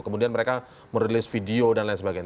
kemudian mereka merilis video dan lain sebagainya